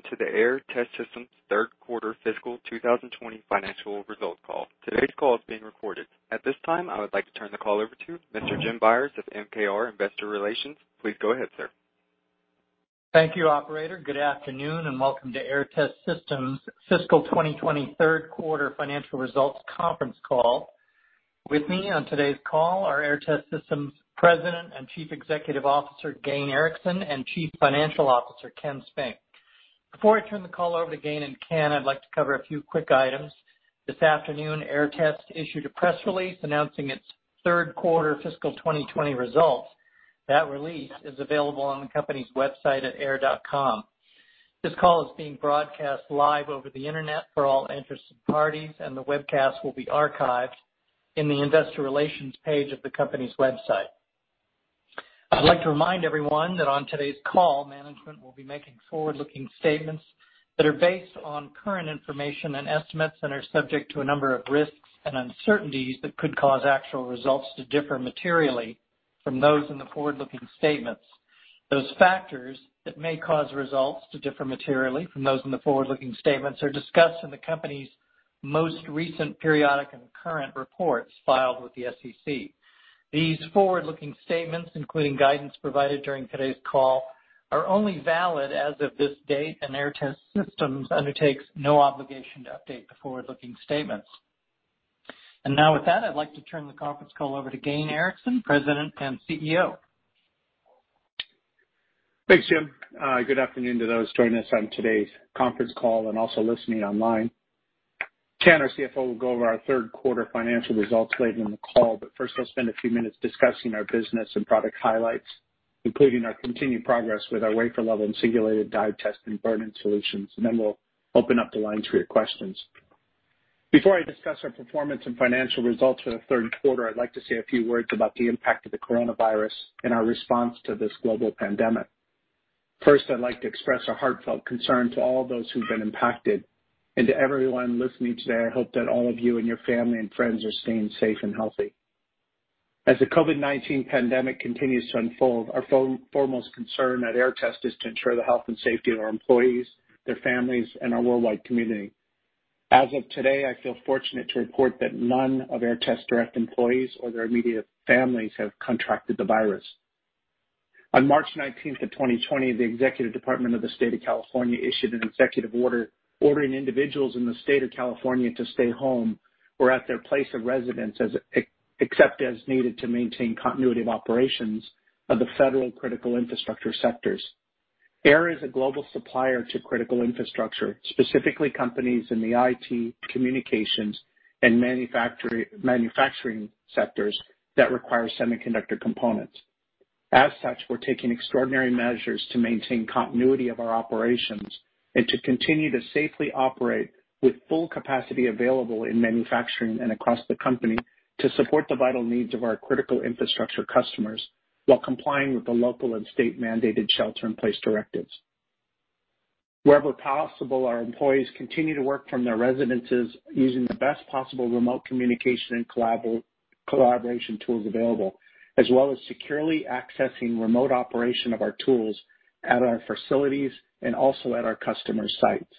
Good day, and welcome to the Aehr Test Systems third quarter fiscal 2020 financial results call. Today's call is being recorded. At this time, I would like to turn the call over to Mr. Jim Byers of MKR Investor Relations. Please go ahead, sir. Thank you, operator. Good afternoon, and welcome to Aehr Test Systems' fiscal 2020 third quarter financial results conference call. With me on today's call are Aehr Test Systems' President and Chief Executive Officer, Gayn Erickson, and Chief Financial Officer, Ken Spink. Before I turn the call over to Gayn and Ken, I'd like to cover a few quick items. This afternoon, Aehr Test issued a press release announcing its third quarter fiscal 2020 results. That release is available on the company's website at aehr.com. This call is being broadcast live over the Internet for all interested parties, and the webcast will be archived in the investor relations page of the company's website. I'd like to remind everyone that on today's call, management will be making forward-looking statements that are based on current information and estimates and are subject to a number of risks and uncertainties that could cause actual results to differ materially from those in the forward-looking statements. Those factors that may cause results to differ materially from those in the forward-looking statements are discussed in the company's most recent periodic and current reports filed with the SEC. These forward-looking statements, including guidance provided during today's call, are only valid as of this date. Aehr Test Systems undertakes no obligation to update the forward-looking statements. Now with that, I'd like to turn the conference call over to Gayn Erickson, President and CEO. Thanks, Jim. Good afternoon to those joining us on today's conference call and also listening online. Ken, our CFO, will go over our third quarter financial results later in the call. First, I'll spend a few minutes discussing our business and product highlights, including our continued progress with our wafer level and singulated die test and burn-in solutions. Then we'll open up the lines for your questions. Before I discuss our performance and financial results for the third quarter, I'd like to say a few words about the impact of the coronavirus and our response to this global pandemic. First, I'd like to express our heartfelt concern to all those who've been impacted, and to everyone listening today, I hope that all of you and your family and friends are staying safe and healthy. As the COVID-19 pandemic continues to unfold, our foremost concern at Aehr Test is to ensure the health and safety of our employees, their families, and our worldwide community. As of today, I feel fortunate to report that none of Aehr Test direct employees or their immediate families have contracted the virus. On March 19th of 2020, the executive department of the state of California issued an executive order ordering individuals in the state of California to stay home or at their place of residence, except as needed to maintain continuity of operations of the federal critical infrastructure sectors. Aehr is a global supplier to critical infrastructure, specifically companies in the IT, communications, and manufacturing sectors that require semiconductor components. As such, we're taking extraordinary measures to maintain continuity of our operations and to continue to safely operate with full capacity available in manufacturing and across the company to support the vital needs of our critical infrastructure customers while complying with the local and state-mandated shelter-in-place directives. Wherever possible, our employees continue to work from their residences using the best possible remote communication and collaboration tools available, as well as securely accessing remote operation of our tools at our facilities and also at our customers' sites.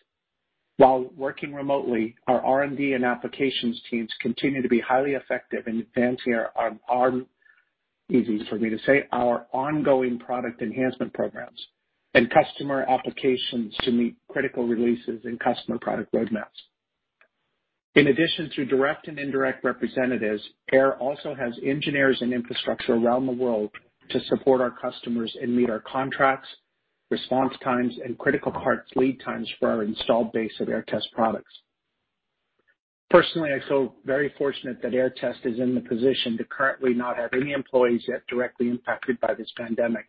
While working remotely, our R&D and applications teams continue to be highly effective in advancing our, easy for me to say, our ongoing product enhancement programs and customer applications to meet critical releases and customer product roadmaps. In addition to direct and indirect representatives, Aehr also has engineers and infrastructure around the world to support our customers and meet our contracts, response times, and critical parts lead times for our installed base of Aehr Test products. Personally, I feel very fortunate that Aehr Test is in the position to currently not have any employees yet directly impacted by this pandemic,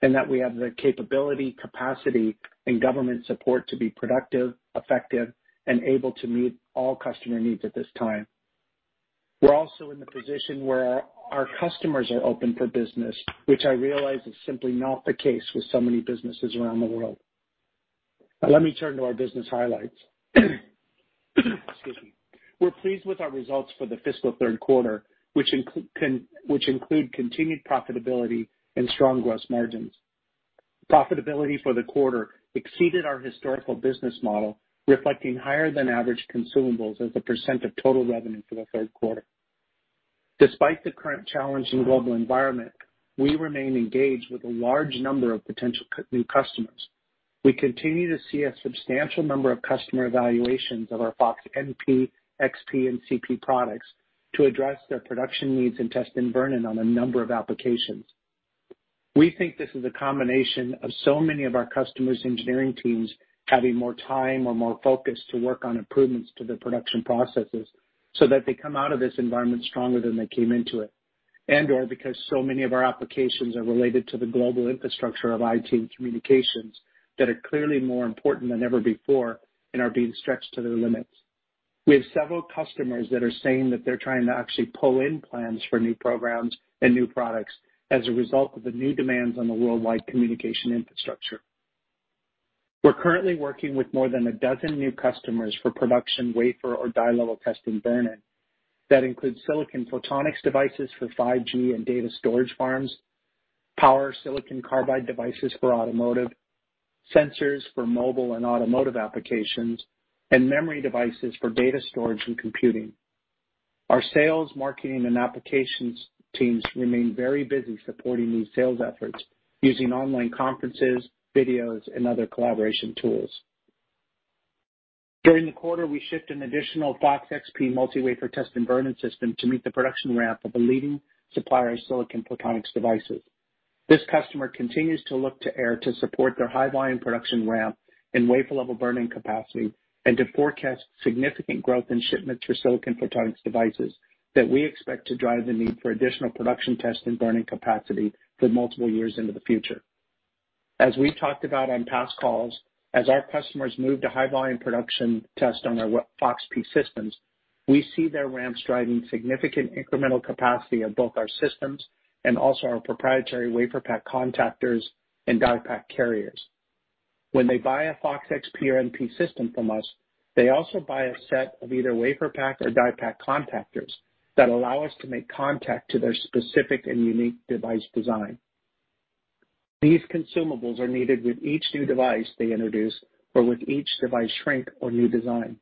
and that we have the capability, capacity, and government support to be productive, effective, and able to meet all customer needs at this time. We're also in the position where our customers are open for business, which I realize is simply not the case with so many businesses around the world. Let me turn to our business highlights. Excuse me. We're pleased with our results for the fiscal third quarter, which include continued profitability and strong gross margins. Profitability for the quarter exceeded our historical business model, reflecting higher than average consumables as a % of total revenue for the third quarter. Despite the current challenging global environment, we remain engaged with a large number of potential new customers. We continue to see a substantial number of customer evaluations of our FOX-NP, FOX-XP, and FOX-CP products to address their production needs in test and burn-in on a number of applications. We think this is a combination of so many of our customers' engineering teams having more time or more focus to work on improvements to their production processes so that they come out of this environment stronger than they came into it. Because so many of our applications are related to the global infrastructure of IT and communications that are clearly more important than ever before and are being stretched to their limits. We have several customers that are saying that they're trying to actually pull in plans for new programs and new products as a result of the new demands on the worldwide communication infrastructure. We're currently working with more than a dozen new customers for production wafer or die-level test and burn-in. That includes silicon photonics devices for 5G and data storage farms, power silicon carbide devices for automotive, sensors for mobile and automotive applications, and memory devices for data storage and computing. Our sales, marketing, and applications teams remain very busy supporting these sales efforts using online conferences, videos, and other collaboration tools. During the quarter, we shipped an additional FOX-XP multi-wafer test and burn-in system to meet the production ramp of a leading supplier of silicon photonics devices. This customer continues to look to Aehr to support their high-volume production ramp and wafer-level burn-in capacity, and to forecast significant growth in shipments for silicon photonics devices that we expect to drive the need for additional production test and burn-in capacity for multiple years into the future. As we've talked about on past calls, as our customers move to high-volume production test on our FOX-P systems, we see their ramps driving significant incremental capacity of both our systems and also our proprietary WaferPak contactors and DiePak carriers. When they buy a FOX-XP or FOX-MP system from us, they also buy a set of either WaferPak or DiePak contactors that allow us to make contact to their specific and unique device design. These consumables are needed with each new device they introduce or with each device shrink or new design.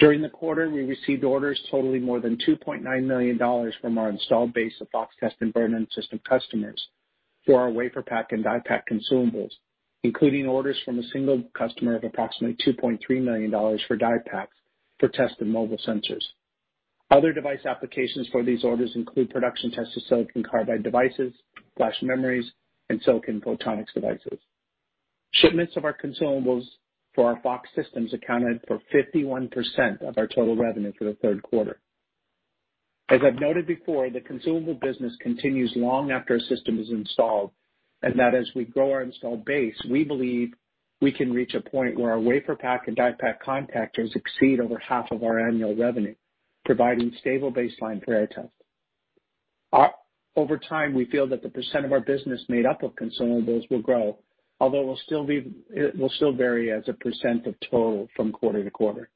During the quarter, we received orders totaling more than $2.9 million from our installed base of FOX test and burn-in system customers for our WaferPak and DiePak consumables, including orders from a single customer of approximately $2.3 million for DiePaks for test and mobile sensors. Other device applications for these orders include production tests of silicon carbide devices, flash memories, and silicon photonics devices. Shipments of our consumables for our FOX systems accounted for 51% of our total revenue for the third quarter. As I've noted before, the consumable business continues long after a system is installed, and that as we grow our installed base, we believe we can reach a point where our WaferPak and DiePak contactors exceed over half of our annual revenue, providing stable baseline for Aehr Test. Over time, we feel that the percent of our business made up of consumables will grow, although it will still vary as a percent of total from quarter to quarter.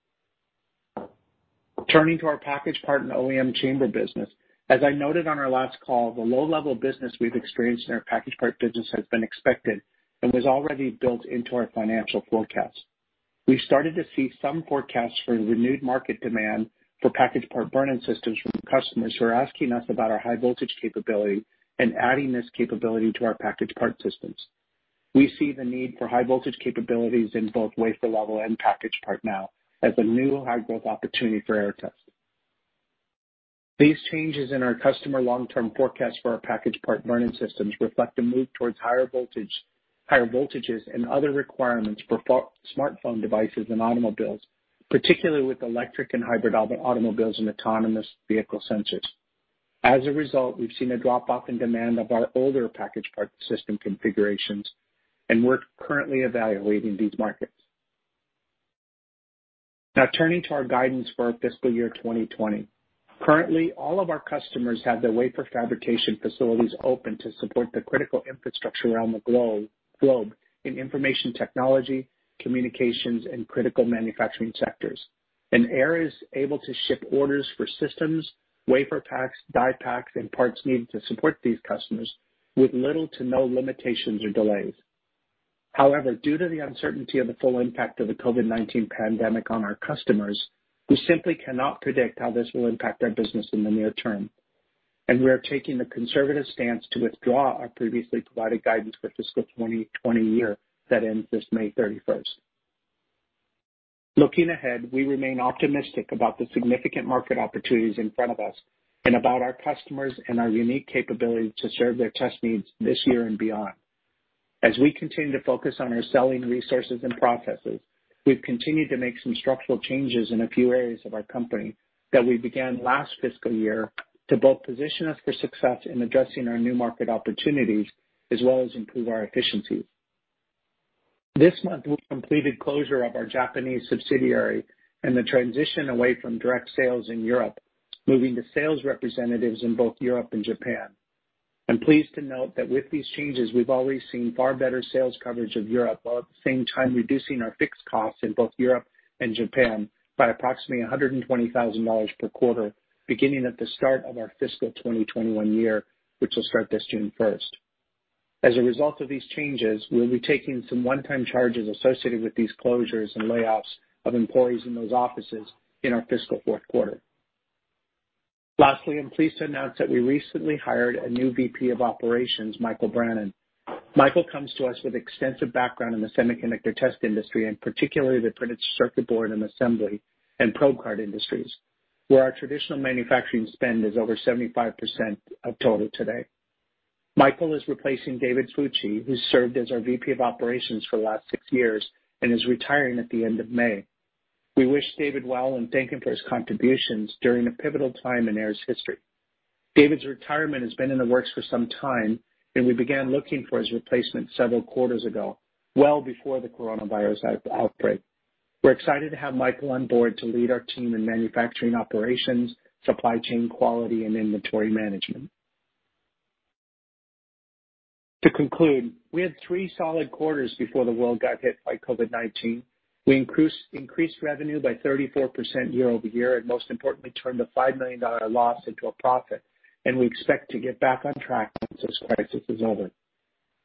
Turning to our package part and OEM chamber business. As I noted on our last call, the low-level business we've experienced in our package part business has been expected and was already built into our financial forecast. We've started to see some forecasts for renewed market demand for package part burn-in systems from customers who are asking us about our high voltage capability and adding this capability to our package part systems. We see the need for high voltage capabilities in both wafer level and package part now as a new high-growth opportunity for Aehr Test. These changes in our customer long-term forecast for our package part burn-in systems reflect a move towards higher voltages and other requirements for smartphone devices and automobiles, particularly with electric and hybrid automobiles and autonomous vehicle sensors. As a result, we've seen a drop-off in demand of our older package part system configurations, we're currently evaluating these markets. Turning to our guidance for our fiscal year 2020. Currently, all of our customers have their wafer fabrication facilities open to support the critical infrastructure around the globe in information technology, communications, and critical manufacturing sectors. Aehr is able to ship orders for systems, WaferPaks, DiePaks, and parts needed to support these customers with little to no limitations or delays. However, due to the uncertainty of the full impact of the COVID-19 pandemic on our customers, we simply cannot predict how this will impact our business in the near term, and we are taking the conservative stance to withdraw our previously provided guidance for fiscal 2020 year that ends this May 31st. Looking ahead, we remain optimistic about the significant market opportunities in front of us and about our customers and our unique capability to serve their test needs this year and beyond. As we continue to focus on our selling resources and processes, we've continued to make some structural changes in a few areas of our company that we began last fiscal year to both position us for success in addressing our new market opportunities as well as improve our efficiency. This month, we completed closure of our Japanese subsidiary and the transition away from direct sales in Europe, moving to sales representatives in both Europe and Japan. I'm pleased to note that with these changes, we've already seen far better sales coverage of Europe, while at the same time reducing our fixed costs in both Europe and Japan by approximately $120,000 per quarter, beginning at the start of our fiscal 2021 year, which will start this June 1st. As a result of these changes, we'll be taking some one-time charges associated with these closures and layoffs of employees in those offices in our fiscal fourth quarter. Lastly, I'm pleased to announce that we recently hired a new VP of Operations, Michael Brannan. Michael comes to us with extensive background in the semiconductor test industry, and particularly the printed circuit board and assembly and probe card industries, where our traditional manufacturing spend is over 75% of total today. Michael is replacing David Fucci, who served as our VP of operations for the last six years and is retiring at the end of May. We wish David well and thank him for his contributions during a pivotal time in Aehr's history. David's retirement has been in the works for some time, and we began looking for his replacement several quarters ago, well before the coronavirus outbreak. We're excited to have Michael on board to lead our team in manufacturing operations, supply chain quality, and inventory management. To conclude, we had three solid quarters before the world got hit by COVID-19. We increased revenue by 34% year-over-year, and most importantly, turned a $5 million loss into a profit, and we expect to get back on track once this crisis is over.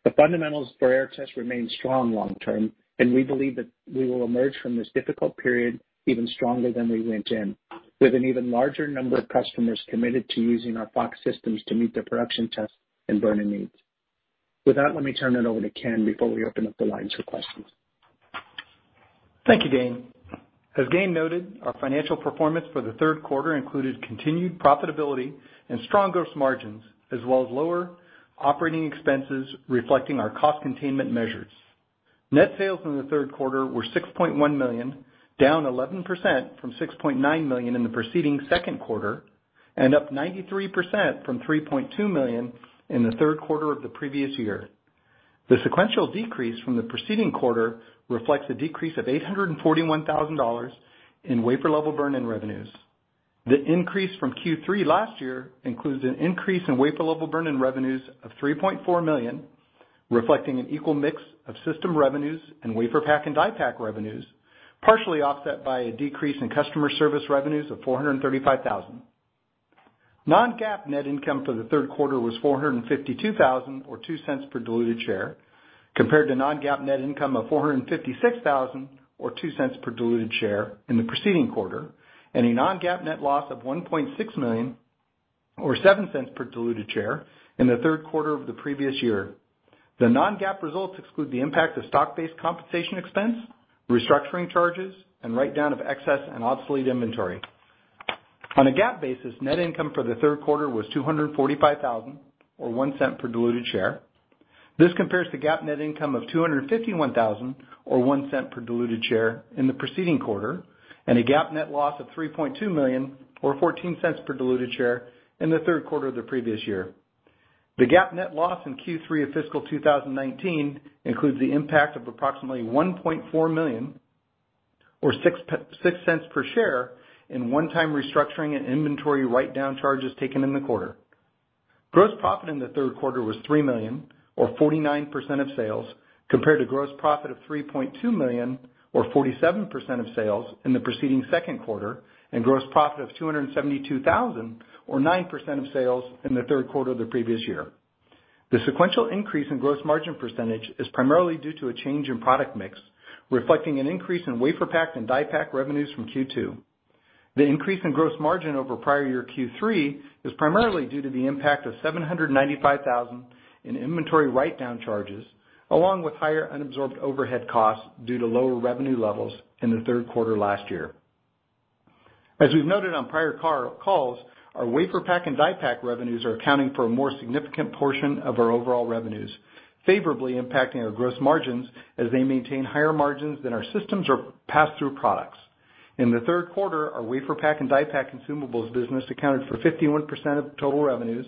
The fundamentals for Aehr Test remain strong long-term, and we believe that we will emerge from this difficult period even stronger than we went in, with an even larger number of customers committed to using our FOX systems to meet their production test and burn-in needs. With that, let me turn it over to Ken before we open up the lines for questions. Thank you, Gayn. As Gayn noted, our financial performance for the third quarter included continued profitability and strong gross margins, as well as lower operating expenses reflecting our cost containment measures. Net sales in the third quarter were $6.1 million, down 11% from $6.9 million in the preceding second quarter, and up 93% from $3.2 million in the third quarter of the previous year. The sequential decrease from the preceding quarter reflects a decrease of $841,000 in wafer level burn-in revenues. The increase from Q3 last year includes an increase in wafer level burn-in revenues of $3.4 million, reflecting an equal mix of system revenues and WaferPak and DiePak revenues, partially offset by a decrease in customer service revenues of $435,000. Non-GAAP net income for the third quarter was $452,000 or $0.02 per diluted share, compared to non-GAAP net income of $456,000 or $0.02 per diluted share in the preceding quarter, and a non-GAAP net loss of $1.6 million or $0.07 per diluted share in the third quarter of the previous year. The non-GAAP results exclude the impact of stock-based compensation expense, restructuring charges, and write-down of excess and obsolete inventory. On a GAAP basis, net income for the third quarter was $245,000 or $0.01 per diluted share. This compares to GAAP net income of $251,000 or $0.01 per diluted share in the preceding quarter, and a GAAP net loss of $3.2 million or $0.14 per diluted share in the third quarter of the previous year. The GAAP net loss in Q3 of fiscal 2019 includes the impact of approximately $1.4 million or $0.06 per share in one-time restructuring and inventory write-down charges taken in the quarter. Gross profit in the third quarter was $3 million or 49% of sales, compared to gross profit of $3.2 million or 47% of sales in the preceding second quarter, and gross profit of $272,000 or 9% of sales in the third quarter of the previous year. The sequential increase in gross margin percentage is primarily due to a change in product mix, reflecting an increase in WaferPak and DiePak revenues from Q2. The increase in gross margin over prior year Q3 is primarily due to the impact of $795,000 in inventory write-down charges, along with higher unabsorbed overhead costs due to lower revenue levels in the third quarter last year. As we've noted on prior calls, our WaferPak and DiePak revenues are accounting for a more significant portion of our overall revenues, favorably impacting our gross margins as they maintain higher margins than our systems or pass-through products. In the third quarter, our WaferPak and DiePak consumables business accounted for 51% of total revenues,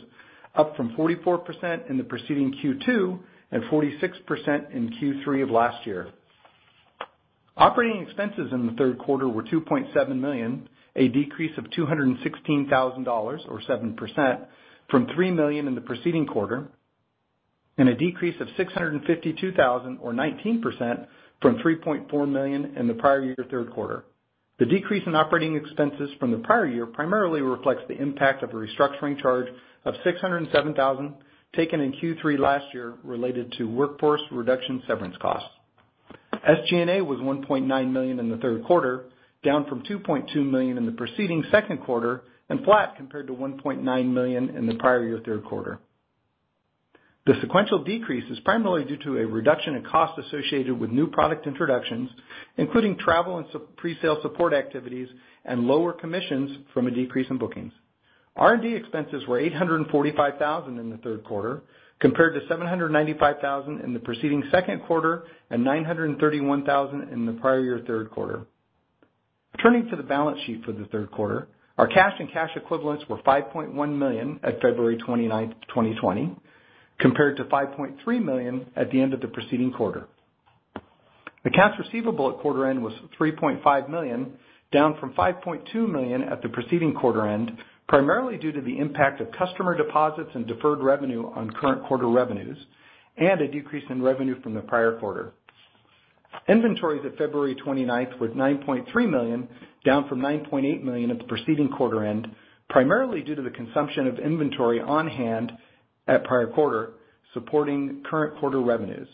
up from 44% in the preceding Q2 and 46% in Q3 of last year. Operating expenses in the third quarter were $2.7 million, a decrease of $216,000 or 7%, from $3 million in the preceding quarter, and a decrease of $652,000 or 19%, from $3.4 million in the prior year third quarter. The decrease in operating expenses from the prior year primarily reflects the impact of a restructuring charge of $607,000 taken in Q3 last year related to workforce reduction severance costs. SG&A was $1.9 million in the third quarter, down from $2.2 million in the preceding second quarter, and flat compared to $1.9 million in the prior year third quarter. The sequential decrease is primarily due to a reduction in cost associated with new product introductions, including travel and pre-sale support activities and lower commissions from a decrease in bookings. R&D expenses were $845,000 in the third quarter, compared to $795,000 in the preceding second quarter and $931,000 in the prior year third quarter. Turning to the balance sheet for the third quarter, our cash and cash equivalents were $5.1 million at February 29th, 2020, compared to $5.3 million at the end of the preceding quarter. The cash receivable at quarter end was $3.5 million, down from $5.2 million at the preceding quarter end, primarily due to the impact of customer deposits and deferred revenue on current quarter revenues, and a decrease in revenue from the prior quarter. Inventories at February 29th was $9.3 million, down from $9.8 million at the preceding quarter end, primarily due to the consumption of inventory on hand at prior quarter supporting current quarter revenues.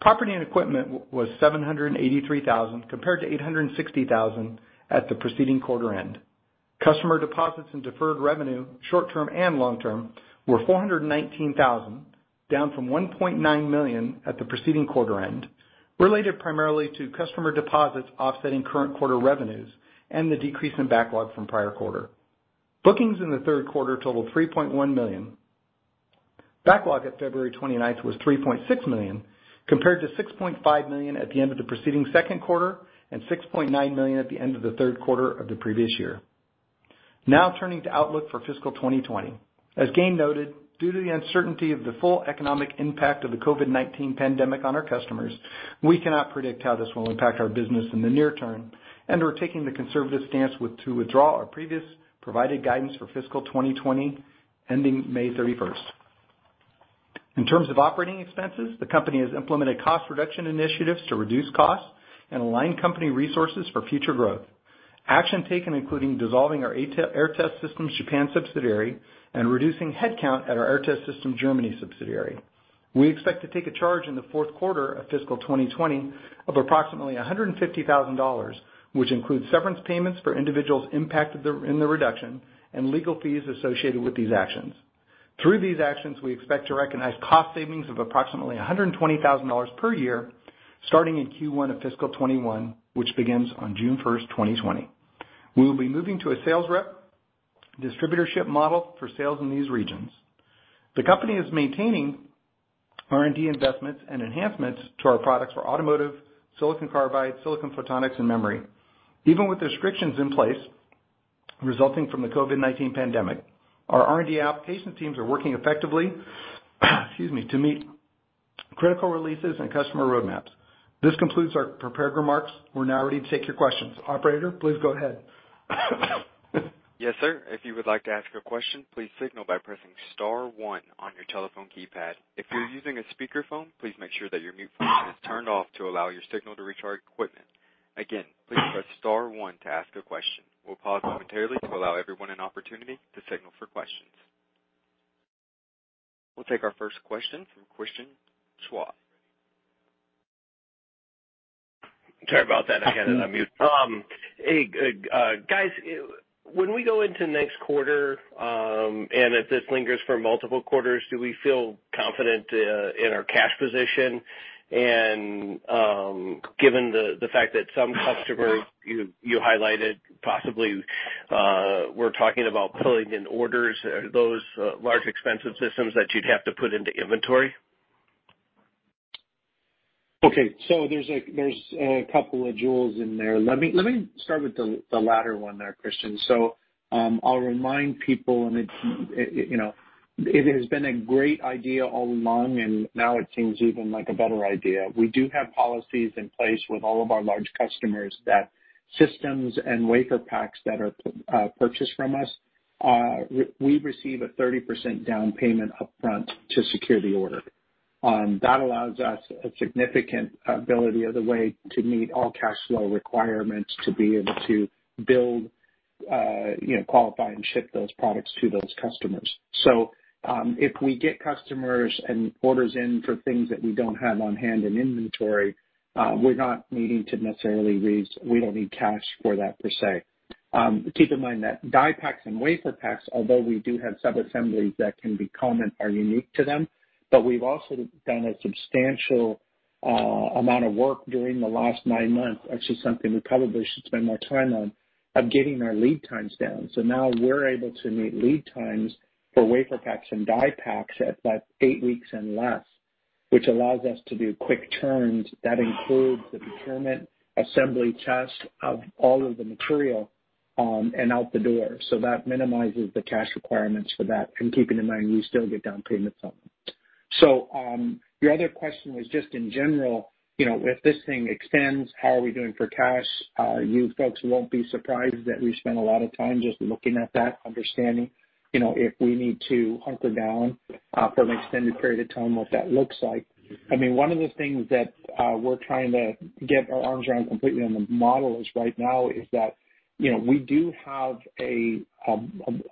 Property and equipment was $783,000, compared to $860,000 at the preceding quarter end. Customer deposits and deferred revenue, short-term and long-term, were $419,000, down from $1.9 million at the preceding quarter end, related primarily to customer deposits offsetting current quarter revenues and the decrease in backlog from prior quarter. Bookings in the third quarter totaled $3.1 million. Backlog at February 29th was $3.6 million, compared to $6.5 million at the end of the preceding second quarter and $6.9 million at the end of the third quarter of the previous year. Turning to outlook for fiscal 2020. As Gayn noted, due to the uncertainty of the full economic impact of the COVID-19 pandemic on our customers, we cannot predict how this will impact our business in the near term, and we're taking the conservative stance to withdraw our previous provided guidance for fiscal 2020 ending May 31st. In terms of operating expenses, the company has implemented cost reduction initiatives to reduce costs and align company resources for future growth. Action taken including dissolving our Aehr Test Systems Japan subsidiary and reducing headcount at our Aehr Test Systems Germany subsidiary. We expect to take a charge in the fourth quarter of fiscal 2020 of approximately $150,000, which includes severance payments for individuals impacted in the reduction and legal fees associated with these actions. Through these actions, we expect to recognize cost savings of approximately $120,000 per year starting in Q1 of fiscal 2021, which begins on June 1st, 2020. We will be moving to a sales rep distributorship model for sales in these regions. The company is maintaining R&D investments and enhancements to our products for automotive, silicon carbide, silicon photonics, and memory. Even with restrictions in place resulting from the COVID-19 pandemic, our R&D application teams are working effectively, excuse me, to meet critical releases and customer roadmaps. This concludes our prepared remarks. We're now ready to take your questions. Operator, please go ahead. Yes, sir. If you would like to ask a question, please signal by pressing star one on your telephone keypad. If you're using a speakerphone, please make sure that your mute function is turned off to allow your signal to reach our equipment. Again, please press star one to ask a question. We'll pause momentarily to allow everyone an opportunity to signal for questions. We'll take our first question from Christian Schwab. Sorry about that. I had it on mute. Hey, guys. When we go into next quarter, and if this lingers for multiple quarters, do we feel confident in our cash position? Given the fact that some customers you highlighted possibly were talking about pulling in orders, are those large, expensive systems that you'd have to put into inventory? Okay. There's a couple of jewels in there. Let me start with the latter one there, Christian. I'll remind people, and it has been a great idea all along, and now it seems even like a better idea. We do have policies in place with all of our large customers that systems and WaferPaks that are purchased from us, we receive a 30% down payment upfront to secure the order. That allows us a significant ability of the way to meet all cash flow requirements to be able to build, qualify, and ship those products to those customers. If we get customers and orders in for things that we don't have on hand in inventory, we're not needing to necessarily We don't need cash for that, per se. Keep in mind that DiePaks and WaferPaks, although we do have sub-assemblies that can be common, are unique to them. We've also done a substantial amount of work during the last nine months, actually something we probably should spend more time on, of getting our lead times down. Now we're able to meet lead times for WaferPaks and DiePaks at eight weeks and less, which allows us to do quick turns that include the procurement, assembly, test of all of the material, and out the door. That minimizes the cash requirements for that, and keeping in mind, we still get down payments on them. Your other question was just in general, if this thing extends, how are we doing for cash? You folks won't be surprised that we've spent a lot of time just looking at that understanding, if we need to hunker down for an extended period of time, what that looks like. One of the things that we're trying to get our arms around completely on the model is right now is that we do have a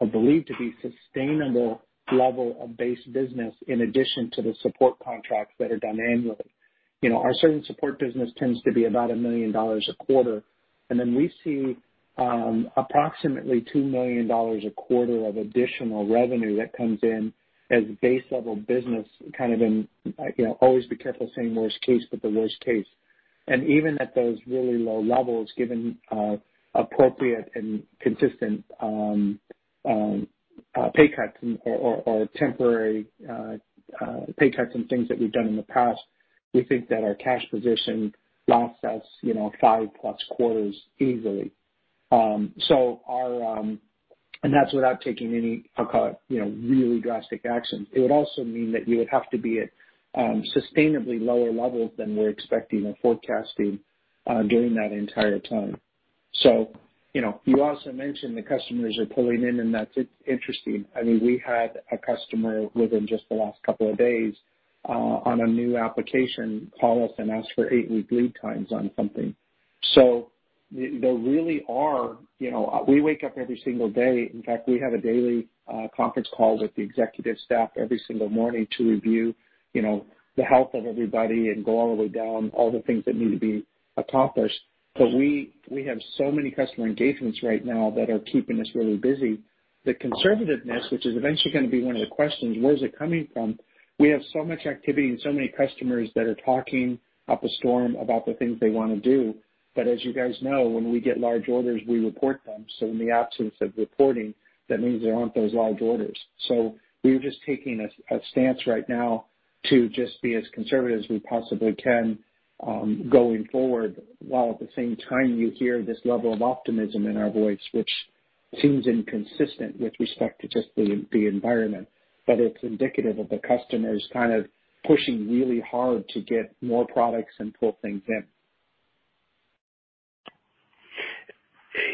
believed to be sustainable level of base business in addition to the support contracts that are done annually. Our certain support business tends to be about $1 million a quarter, and then we see approximately $2 million a quarter of additional revenue that comes in as base level business, kind of in, always be careful saying worst case, but the worst case. Even at those really low levels, given appropriate and consistent pay cuts or temporary pay cuts and things that we've done in the past, we think that our cash position lasts us five-plus quarters easily. That's without taking any, I'll call it, really drastic action. It would also mean that we would have to be at sustainably lower levels than we're expecting or forecasting during that entire time. You also mentioned the customers are pulling in, and that's interesting. We had a customer within just the last couple of days, on a new application, call us and ask for eight-week lead times on something. We wake up every single day. In fact, we have a daily conference call with the executive staff every single morning to review the health of everybody and go all the way down all the things that need to be accomplished. We have so many customer engagements right now that are keeping us really busy. The conservativeness, which is eventually going to be one of the questions, where is it coming from? We have so much activity and so many customers that are talking up a storm about the things they want to do. As you guys know, when we get large orders, we report them. In the absence of reporting, that means there aren't those large orders. We're just taking a stance right now to just be as conservative as we possibly can, going forward, while at the same time you hear this level of optimism in our voice, which seems inconsistent with respect to just the environment. It's indicative of the customers kind of pushing really hard to get more products and pull things in.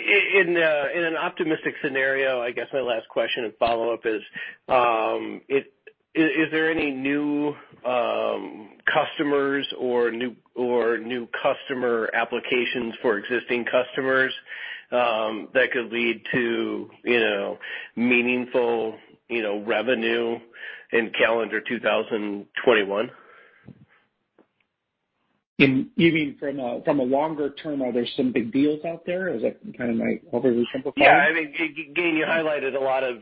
In an optimistic scenario, I guess my last question and follow-up is there any new customers or new customer applications for existing customers that could lead to meaningful revenue in calendar 2021? You mean from a longer term, are there some big deals out there? Is that kind of my oversimplification? Yeah. I mean, again, you highlighted a lot of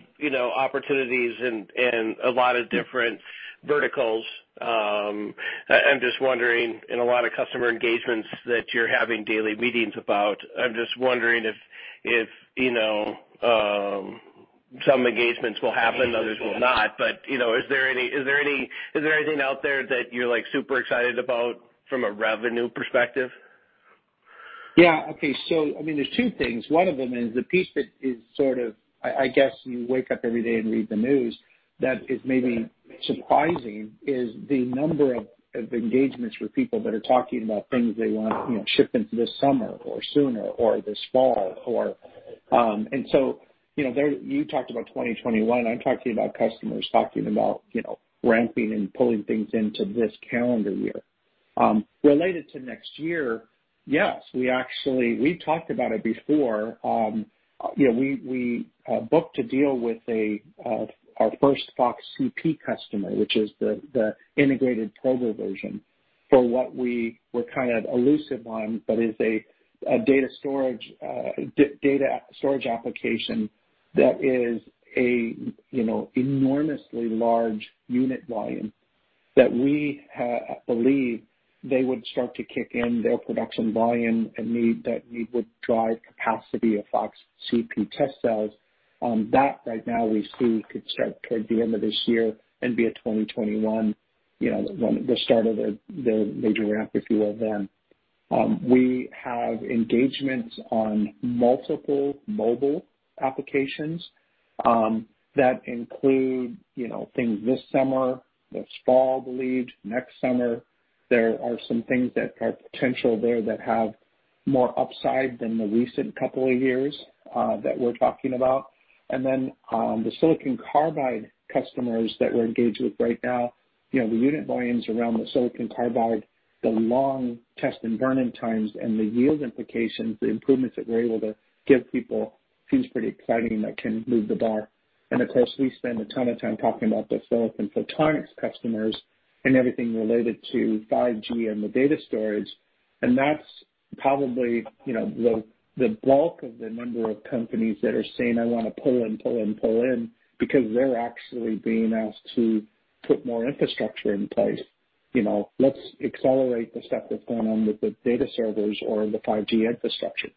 opportunities and a lot of different verticals. I'm just wondering, in a lot of customer engagements that you're having daily meetings about, I'm just wondering if some engagements will happen, others will not. Is there anything out there that you're super excited about from a revenue perspective? Yeah. Okay. There's two things. One of them is the piece that is sort of, I guess, you wake up every day and read the news. That is maybe surprising, is the number of engagements with people that are talking about things they want shipped into this summer or sooner, or this fall. You talked about 2021, I'm talking about customers talking about ramping and pulling things into this calendar year. Related to next year, yes, we've talked about it before. We booked a deal with our first FOX-CP customer, which is the integrated probe version for what we were kind of elusive on, but is a data storage application that is a enormously large unit volume that we believe they would start to kick in their production volume and that need would drive capacity of FOX-CP test cells. Right now we see could start toward the end of this year and be a 2021, the start of the major ramp, if you will, then. We have engagements on multiple mobile applications that include things this summer, this fall, I believe, next summer. There are some things that are potential there that have more upside than the recent couple of years that we're talking about. The silicon carbide customers that we're engaged with right now, the unit volumes around the silicon carbide, the long test and burn-in times, and the yield implications, the improvements that we're able to give people seems pretty exciting that can move the bar. Of course, we spend a ton of time talking about the silicon photonics customers and everything related to 5G and the data storage. That's probably the bulk of the number of companies that are saying, "I want to pull in." They're actually being asked to put more infrastructure in place. Let's accelerate the stuff that's going on with the data servers or the 5G infrastructure.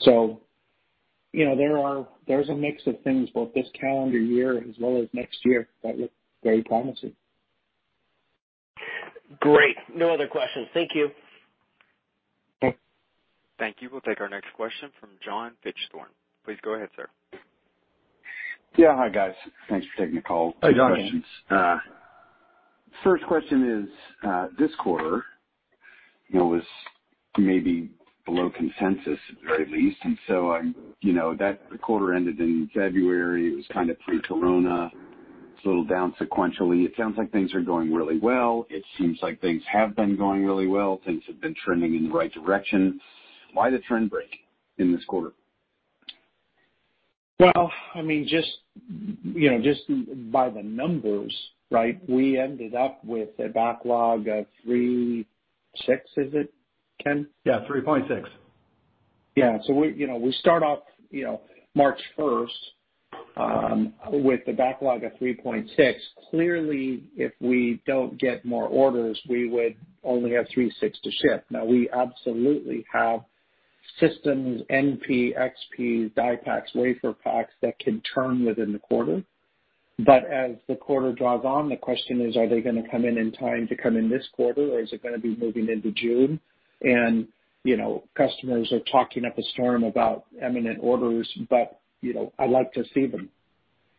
There's a mix of things both this calendar year as well as next year that look very promising. Great. No other questions. Thank you. Okay. Thank you. We'll take our next question from John Fichthorn. Please go ahead, sir. Yeah. Hi, guys. Thanks for taking the call. Hi, John. Two questions. First question is, this quarter, was maybe below consensus, at least. That quarter ended in February. It was kind of pre-Corona. It's a little down sequentially. It sounds like things are going really well. It seems like things have been going really well. Things have been trending in the right direction. Why the trend break in this quarter? Well, just by the numbers, we ended up with a backlog of $3.6, is it, Ken? Yeah, 3.6. Yeah. We start off March 1st with a backlog of $3.6. Clearly, if we don't get more orders, we would only have $3.6 to ship. We absolutely have systems, NP, XPs, DiePaks, WaferPaks that can turn within the quarter. As the quarter draws on, the question is, are they going to come in in time to come in this quarter, or is it going to be moving into June? Customers are talking up a storm about eminent orders, but I'd like to see them.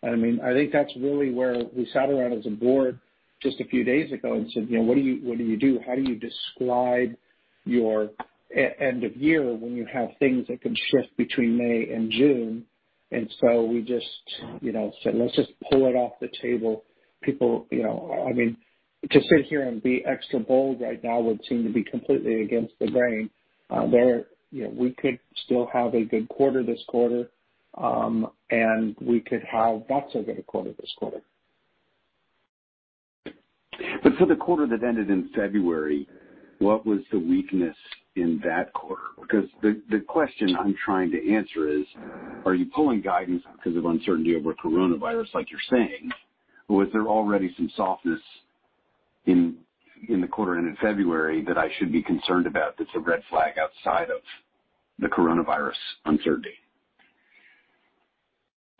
I think that's really where we sat around as a board just a few days ago and said, "What do you do? How do you describe your end of year when you have things that can shift between May and June?" So we just said, "Let's just pull it off the table." To sit here and be extra bold right now would seem to be completely against the grain. We could still have a good quarter this quarter, and we could have lots of good quarter this quarter. For the quarter that ended in February, what was the weakness in that quarter? The question I'm trying to answer is, are you pulling guidance because of uncertainty over coronavirus like you're saying, or was there already some softness in the quarter ended February that I should be concerned about that's a red flag outside of the coronavirus uncertainty?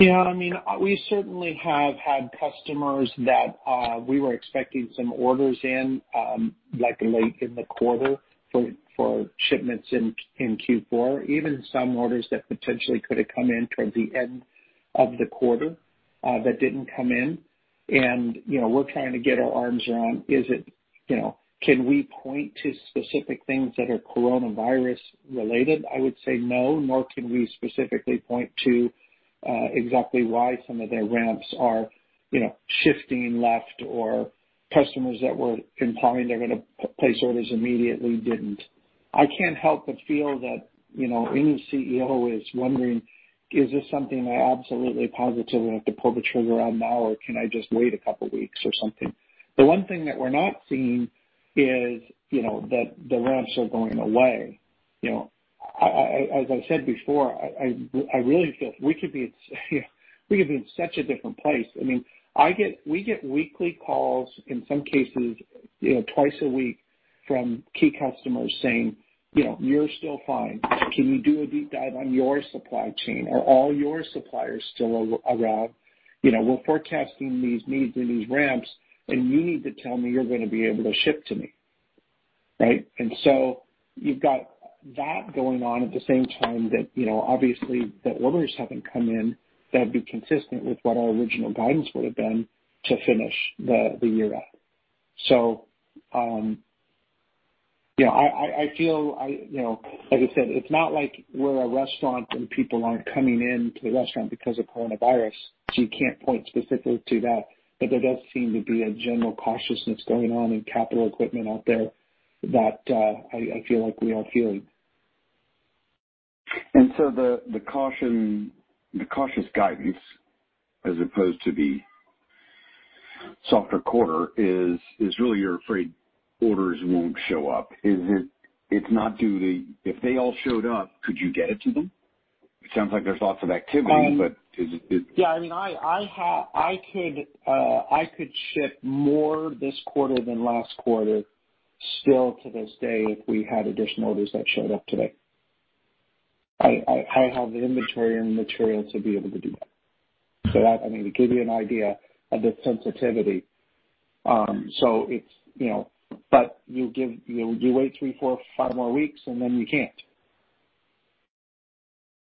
Yeah. We certainly have had customers that we were expecting some orders in late in the quarter for shipments in Q4, even some orders that potentially could have come in toward the end of the quarter that didn't come in. We're trying to get our arms around, can we point to specific things that are coronavirus related? I would say no, nor can we specifically point to exactly why some of their ramps are shifting left or customers that were implying they're going to place orders immediately, didn't. I can't help but feel that any CEO is wondering, "Is this something I absolutely positively have to pull the trigger on now, or can I just wait a couple of weeks or something?" The one thing that we're not seeing is that the ramps are going away. As I said before, I really feel we could be in such a different place. We get weekly calls, in some cases, twice a week from key customers saying, "You're still fine. Can you do a deep dive on your supply chain? Are all your suppliers still around? We're forecasting these needs and these ramps, and you need to tell me you're going to be able to ship to me." Right? You've got that going on at the same time that, obviously, the orders haven't come in that would be consistent with what our original guidance would have been to finish the year up. As I said, it's not like we're a restaurant and people aren't coming in to the restaurant because of coronavirus, so you can't point specifically to that. There does seem to be a general cautiousness going on in capital equipment out there that I feel like we are feeling. The cautious guidance as opposed to the softer quarter is really you're afraid orders won't show up. If they all showed up, could you get it to them? It sounds like there's lots of activity, but is it? Yeah. I could ship more this quarter than last quarter still to this day if we had additional orders that showed up today. I have the inventory and the material to be able to do that, to give you an idea of the sensitivity. You wait three, four, five more weeks, and then you can't.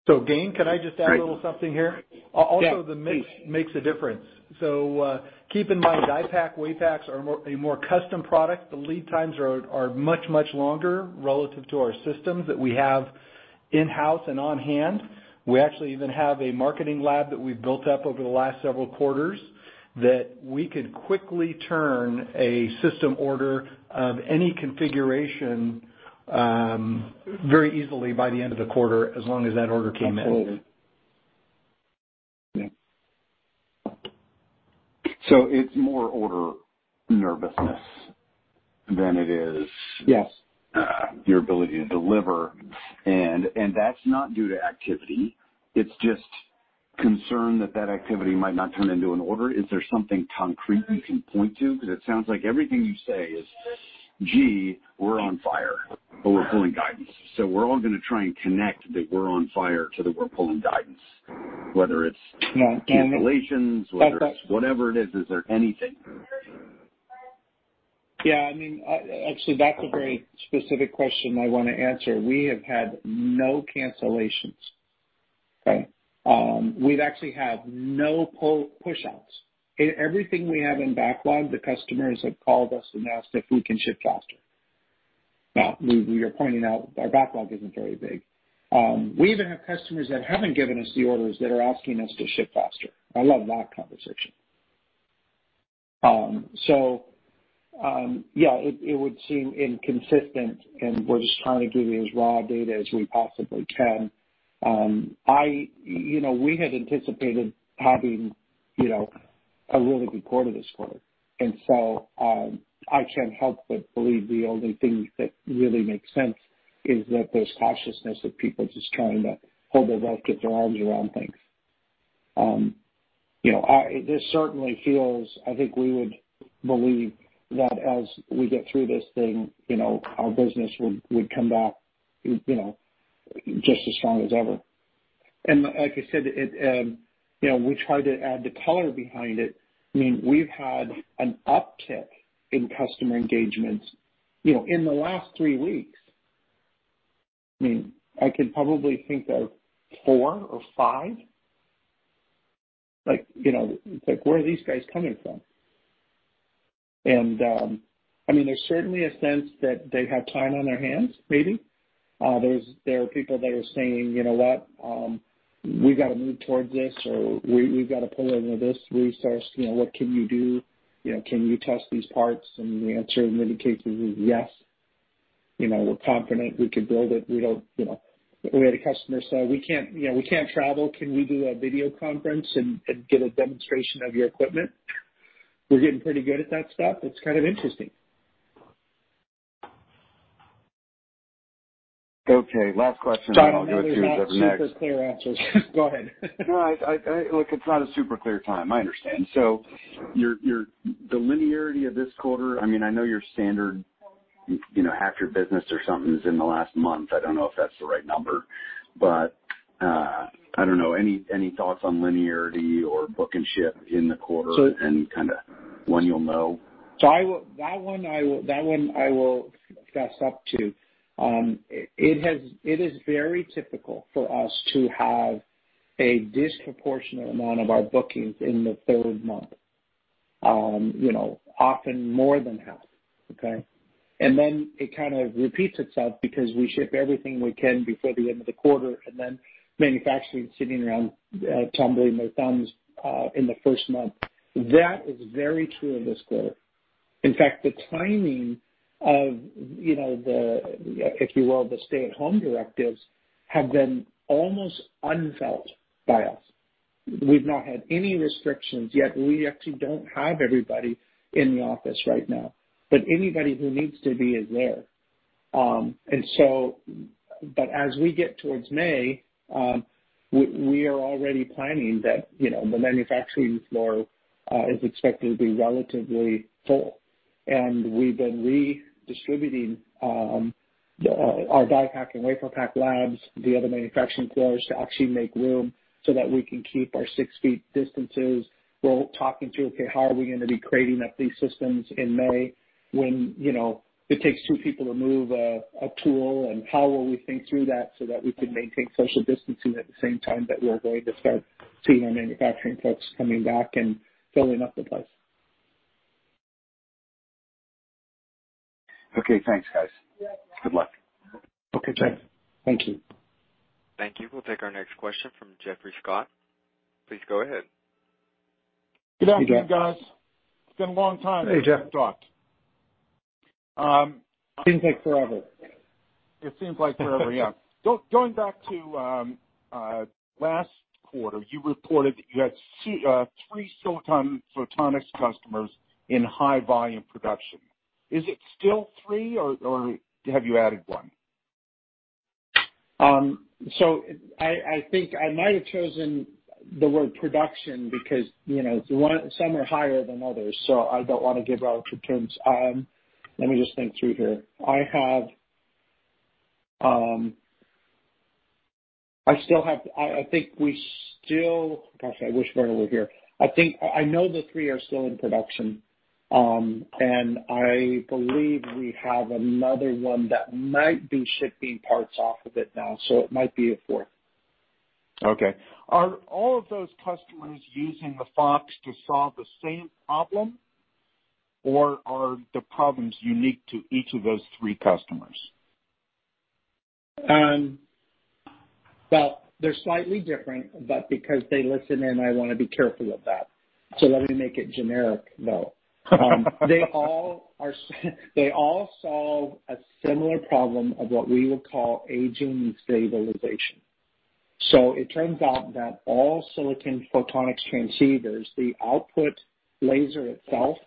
Gayn, can I just add a little something here? Yeah, please. The mix makes a difference. Keep in mind, DiePak/WaferPaks are a more custom product. The lead times are much, much longer relative to our systems that we have in-house and on-hand. We actually even have a marketing lab that we've built up over the last several quarters that we could quickly turn a system order of any configuration very easily by the end of the quarter, as long as that order came in. Absolutely. It's more order nervousness than it is. Yes your ability to deliver. That's not due to activity. It's just concern that that activity might not turn into an order. Is there something concrete you can point to? It sounds like everything you say is, "Gee, we're on fire," but we're pulling guidance. We're all going to try and connect that we're on fire to the we're pulling guidance. Whether it's cancellations, whether it's whatever it is. Is there anything? Actually, that's a very specific question I want to answer. We have had no cancellations. Okay. We've actually had no push-outs. Everything we have in backlog, the customers have called us and asked if we can ship faster. You're pointing out our backlog isn't very big. We even have customers that haven't given us the orders that are asking us to ship faster. I love that conversation. Yeah, it would seem inconsistent, and we're just trying to give you as raw data as we possibly can. We had anticipated having a really good quarter this quarter. I can't help but believe the only thing that really makes sense is that there's cautiousness of people just trying to hold their breath, get their arms around things. This certainly feels, I think we would believe that as we get through this thing, our business would come back just as strong as ever. Like I said, we try to add the color behind it. We've had an uptick in customer engagements in the last three weeks. I can probably think of four or five. It's like, where are these guys coming from? There's certainly a sense that they have time on their hands, maybe. There are people that are saying, "You know what? We've got to move towards this," or, "We've got to pull in this resource. What can you do? Can you test these parts?" The answer in many cases is yes. We're confident we could build it. We had a customer say, "We can't travel. Can we do a video conference and get a demonstration of your equipment? We're getting pretty good at that stuff. It's kind of interesting. Okay. Last question, and I'll go to whoever's next. John, I know they're not super clear answers. Go ahead. No, look, it's not a super clear time. I understand. The linearity of this quarter, I know your standard, half your business or something is in the last month. I don't know if that's the right number. I don't know, any thoughts on linearity or book and ship in the quarter and when you'll know? That one I will fess up to. It is very typical for us to have a disproportionate amount of our bookings in the third month. Often more than half. Okay? It kind of repeats itself because we ship everything we can before the end of the quarter, and then manufacturing is sitting around tumbling their thumbs in the first month. That is very true in this quarter. In fact, the timing of the, if you will, the stay-at-home directives, have been almost unfelt by us. We've not had any restrictions yet. We actually don't have everybody in the office right now, but anybody who needs to be is there. As we get towards May, we are already planning that the manufacturing floor is expected to be relatively full, and we've been redistributing our DiePak and WaferPak labs, the other manufacturing floors, to actually make room so that we can keep our six-feet distances. We're talking through, okay, how are we going to be crating up these systems in May when it takes two people to move a tool? How will we think through that so that we can maintain social distancing at the same time that we're going to start seeing our manufacturing folks coming back and filling up the place. Okay. Thanks, guys. Good luck. Okay. Thanks. Thank you. Thank you. We'll take our next question from Geoffrey Scott. Please go ahead. Good afternoon, guys. It's been a long time. Hey, Geoff. since we've talked. Seems like forever. It seems like forever, yeah. Going back to last quarter, you reported that you had three silicon photonics customers in high-volume production. Is it still three, or have you added one? I think I might have chosen the word production because some are higher than others, so I don't want to give out returns. Let me just think through here. Gosh, I wish Vern were here. I know the three are still in production. I believe we have another one that might be shipping parts off of it now, so it might be a fourth. Okay. Are all of those customers using the FOX to solve the same problem, or are the problems unique to each of those three customers? They're slightly different, but because they listen in, I want to be careful of that. Let me make it generic, though. They all solve a similar problem of what we would call aging stabilization. It turns out that all silicon photonics transceivers, the output laser itself,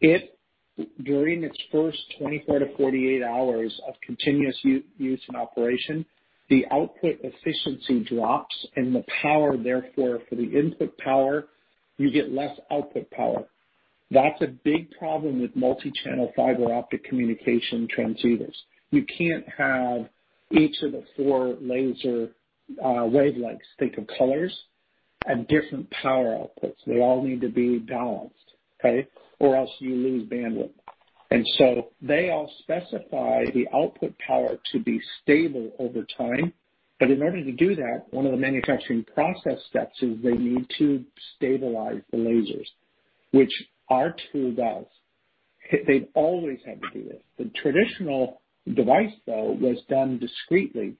during its first 24 to 48 hours of continuous use and operation, the output efficiency drops, and the power, therefore, for the input power, you get less output power. That's a big problem with multichannel fiber optic communication transceivers. You can't have each of the four laser wavelengths, think of colors, at different power outputs. They all need to be balanced, okay? Else you lose bandwidth. They all specify the output power to be stable over time. In order to do that, one of the manufacturing process steps is they need to stabilize the lasers, which our tool does. They've always had to do this. The traditional device, though, was done discreetly,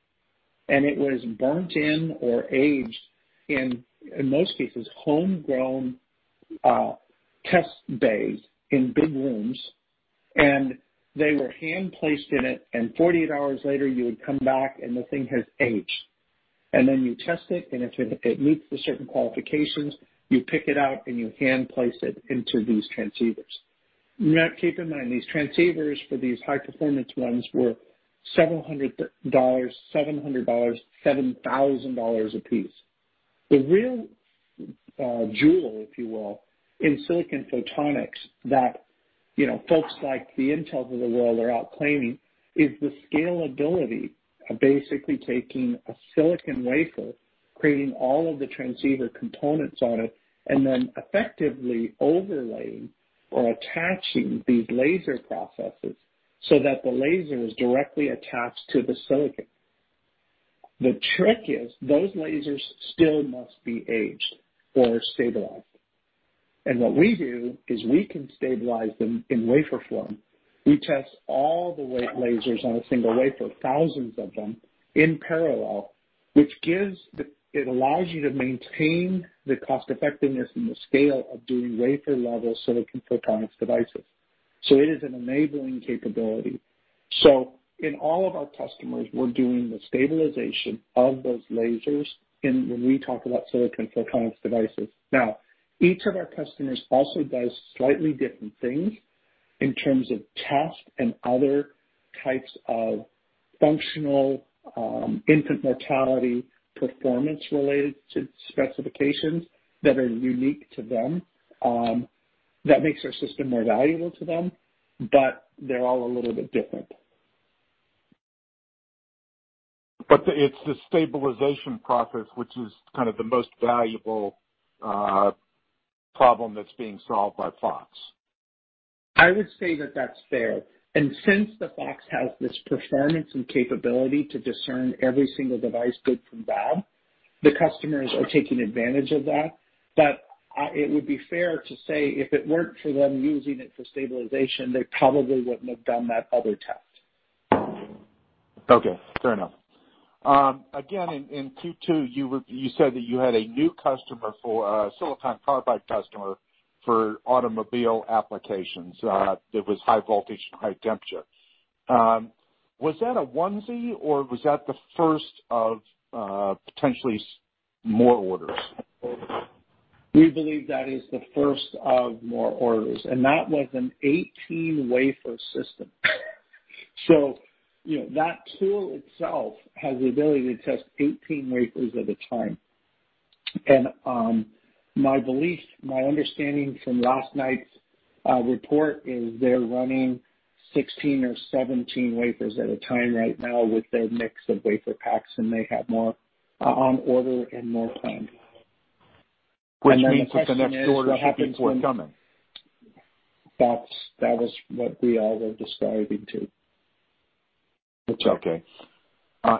and it was burnt in or aged in most cases, homegrown test bays in big rooms, and they were hand-placed in it, and 48 hours later, you would come back and the thing has aged. Then you test it, and if it meets the certain qualifications, you pick it out and you hand place it into these transceivers. Now, keep in mind, these transceivers for these high-performance ones were $700, $700, $7,000 a piece. The real jewel, if you will, in silicon photonics that folks like the Intels of the world are out claiming, is the scalability of basically taking a silicon wafer, creating all of the transceiver components on it, and then effectively overlaying or attaching these laser processes so that the laser is directly attached to the silicon. The trick is, those lasers still must be aged or stabilized. What we do is we can stabilize them in wafer form. We test all the lasers on a single wafer, thousands of them, in parallel, which allows you to maintain the cost effectiveness and the scale of doing wafer-level silicon photonics devices. It is an enabling capability. In all of our customers, we're doing the stabilization of those lasers when we talk about silicon photonics devices. Each of our customers also does slightly different things in terms of test and other types of functional infant mortality performance related to specifications that are unique to them. That makes our system more valuable to them, but they're all a little bit different. It's the stabilization process, which is kind of the most valuable problem that's being solved by FOX. I would say that that's fair. Since the FOX has this performance and capability to discern every single device good from bad, the customers are taking advantage of that. It would be fair to say if it weren't for them using it for stabilization, they probably wouldn't have done that other test. Okay, fair enough. In Q2, you said that you had a new silicon carbide customer for automobile applications. That was high voltage and high temperature. Was that a onesie, or was that the first of potentially more orders? We believe that is the first of more orders, and that was an 18-wafer system. That tool itself has the ability to test 18 wafers at a time. My understanding from last night's report is they're running 16 or 17 wafers at a time right now with their mix of WaferPaks, and they have more on order and more planned. Which means that the next order should be forthcoming. That was what we all were describing, too. Okay.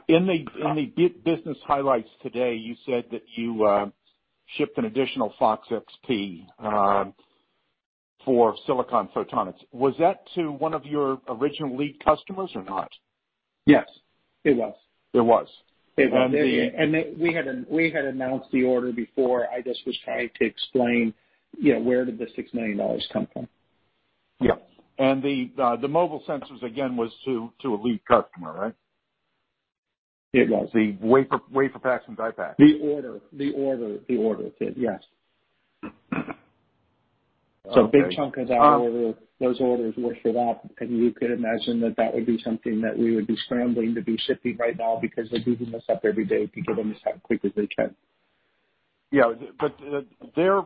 In the business highlights today, you said that you shipped an additional FOX-XP for silicon photonics. Was that to one of your original lead customers or not? Yes. It was. It was. It was. We had announced the order before. I just was trying to explain, where did the $6 million come from? Yeah. The mobile sensors, again, was to a lead customer, right? It was. The wafer packs and die packs. The order. The order did, yes. Okay. A big chunk of those orders were for that, and you could imagine that that would be something that we would be scrambling to be shipping right now because they're giving us up every day to get them as quick as they can. Yeah. Their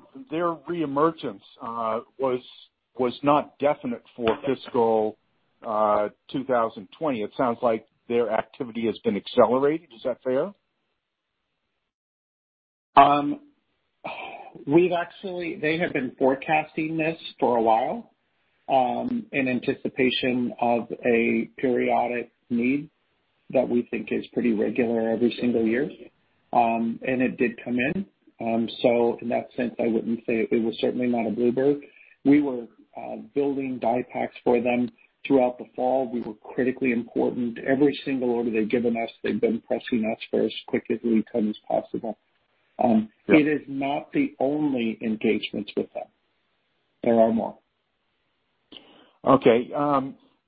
reemergence was not definite for fiscal 2020. It sounds like their activity has been accelerated. Is that fair? They have been forecasting this for a while, in anticipation of a periodic need that we think is pretty regular every single year, and it did come in. In that sense, I wouldn't say it was certainly not a blue bird. We were building DiePak for them throughout the fall. We were critically important. Every single order they've given us, they've been pressing us for as quick a lead time as possible. Sure. It is not the only engagements with them. There are more. Okay.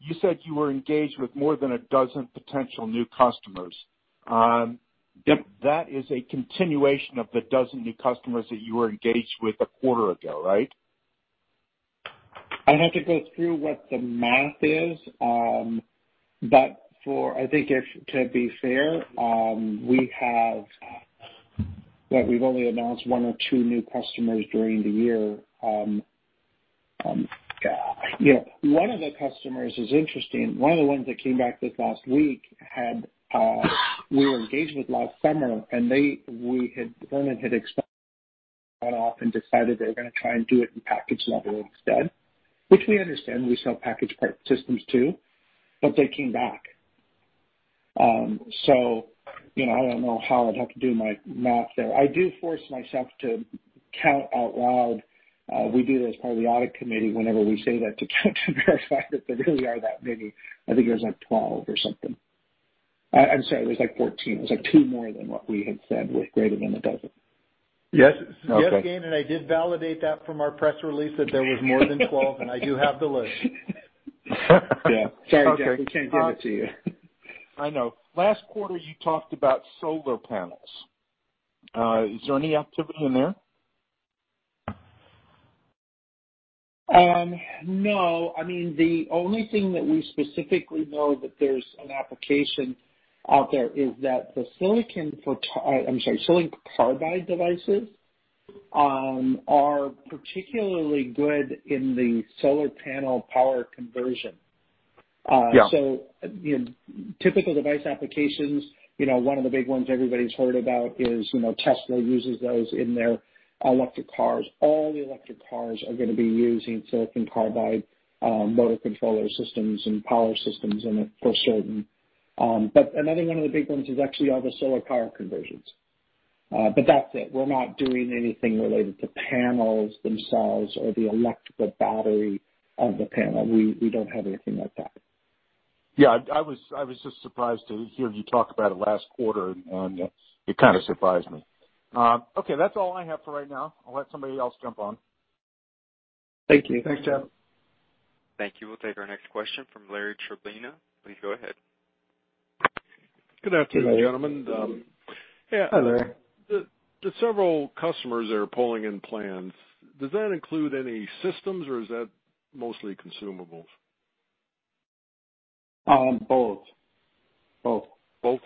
You said you were engaged with more than 12 potential new customers. Yep. That is a continuation of the dozen new customers that you were engaged with a quarter ago, right? I'd have to go through what the math is. I think to be fair, we've only announced one or two new customers during the year. One of the customers is interesting. One of the ones that came back this last week, we were engaged with last summer, and the component had spun off and decided they were going to try and do it in package level instead, which we understand. We sell package part systems, too. They came back. I don't know how. I'd have to do my math there. I do force myself to count out loud. We do that as part of the audit committee whenever we say that, to verify that there really are that many. I think it was, like, 12 or something. I'm sorry, it was, like, 14. It was, like, two more than what we had said was greater than a dozen. Yes. Okay. Yes, Gayn, and I did validate that from our press release that there was more than 12, and I do have the list. Yeah. Sorry, Jeff, we can't give it to you. I know. Last quarter you talked about solar panels. Is there any activity in there? No. The only thing that we specifically know that there's an application out there is that the silicon carbide devices are particularly good in the solar panel power conversion. Yeah. Typical device applications, one of the big ones everybody's heard about is Tesla uses those in their electric cars. All the electric cars are going to be using silicon carbide motor controller systems and power systems in it, for certain. Another one of the big ones is actually all the solar power conversions. That's it. We're not doing anything related to panels themselves or the electrical battery of the panel. We don't have anything like that. Yeah, I was just surprised to hear you talk about it last quarter, and it kind of surprised me. Okay, that's all I have for right now. I'll let somebody else jump on. Thank you. Thanks, Geoffrey. Thank you. We'll take our next question from Larry Chlebina. Please go ahead. Good afternoon, gentlemen. Hi, Larry. The several customers that are pulling in plans, does that include any systems, or is that mostly consumables? Both. Both?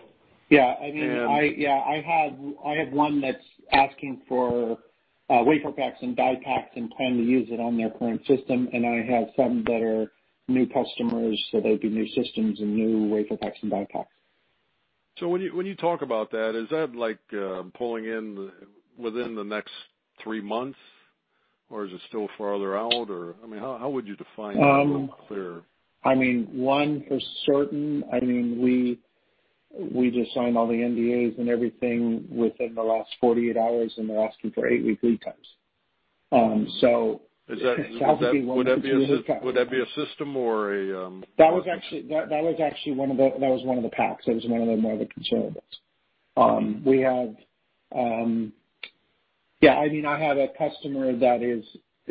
Yeah. I have one that's asking WaferPaks and DiePaks and plan to use it on their current system. I have some that are new customers, so they'd be new systems and new WaferPaks and DiePaks. When you talk about that, is that pulling in within the next three months, or is it still farther out? How would you define that a little clearer? One for certain, we just signed all the NDAs and everything within the last 48 hours, and they're asking for eight-week lead times. Would that be a system or? That was actually one of the packs. That was one of the more of the consumables. I have a customer that has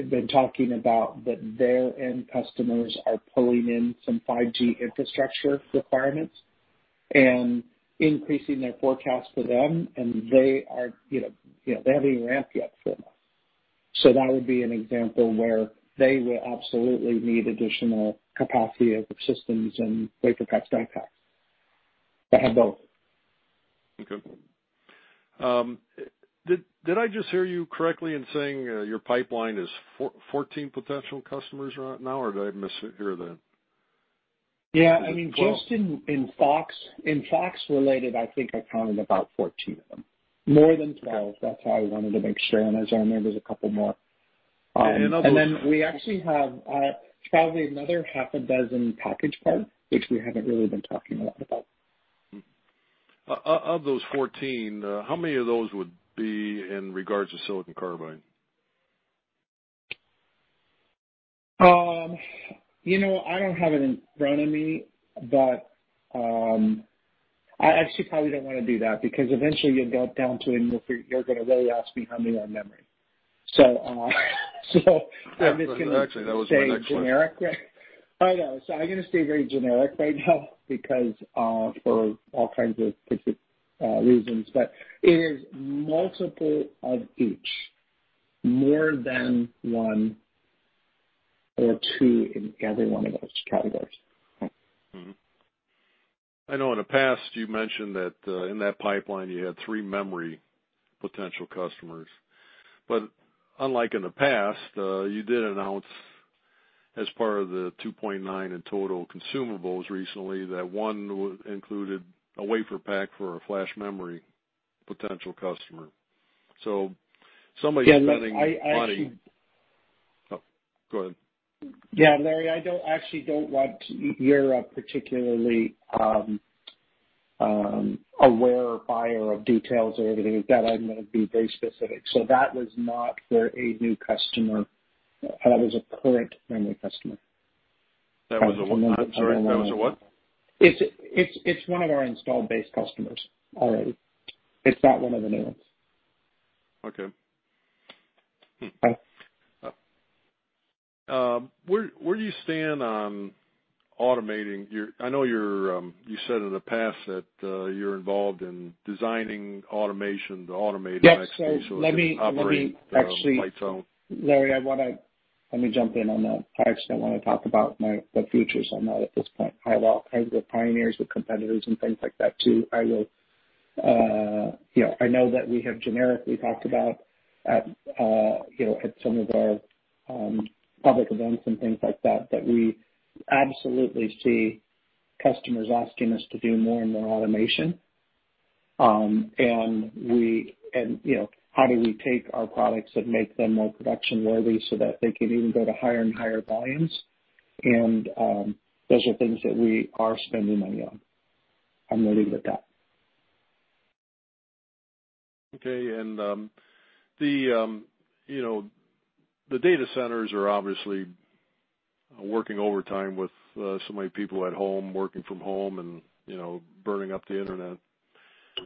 been talking about that their end customers are pulling in some 5G infrastructure requirements and increasing their forecast for them, and they haven't even ramped yet for them. That would be an example where they will absolutely need additional capacity of systems and WaferPaks, DiePaks. They have both. Okay. Did I just hear you correctly in saying your pipeline is 14 potential customers right now, or did I mishear that? Yeah. Just in FOX related, I think I counted about 14 of them. More than 12, that's how I wanted to make sure. As I remember, there's a couple more. And in other- We actually have probably another half a dozen package parts, which we haven't really been talking a lot about. Of those 14, how many of those would be in regards to silicon carbide? I don't have it in front of me, but I actually probably don't want to do that, because eventually you'll get down to, and you're going to really ask me how many are memory. I'm just going to- Actually, that was my next one. stay generic. I know. I'm going to stay very generic right now for all kinds of reasons. It is multiple of each, more than one or two in every one of those categories. I know in the past you mentioned that in that pipeline you had three memory potential customers. Unlike in the past, you did announce as part of the $2.9 in total consumables recently that one included a WaferPak for a flash memory potential customer. Somebody's spending money. Larry, I actually don't want to. You're a particularly aware buyer of details or everything, that I'm going to be very specific. That was not for a new customer. That was a current memory customer. Sorry, that was a what? It's one of our installed base customers already. It's not one of the new ones. Okay. Where do you stand on automating? I know you said in the past that you're involved in designing automation. Yes It can operate by its own. Larry, let me jump in on that. I actually don't want to talk about my futures on that at this point. I have all kinds of pioneers with competitors and things like that, too. I know that we have generically talked about at some of our public events and things like that we absolutely see customers asking us to do more and more automation. How do we take our products and make them more production worthy so that they can even go to higher and higher volumes. Those are things that we are spending money on. I'm going to leave it at that. Okay. The data centers are obviously working overtime with so many people at home, working from home and burning up the internet.